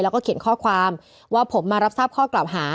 แล้วก็เขียนข้อความว่าผมมารับทราบข้อกล่าวหา